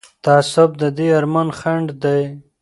تعصب د دې ارمان خنډ دی